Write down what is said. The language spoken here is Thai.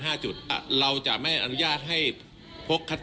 ที่สนชนะสงครามเปิดเพิ่ม